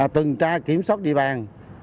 tầng tra kiểm soát địa bàn